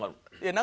何？